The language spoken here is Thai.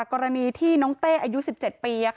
กรณีที่น้องเต้อายุ๑๗ปี